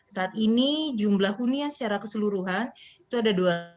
saat ini jumlah hunian secara keseluruhan itu ada dua ratus enam puluh enam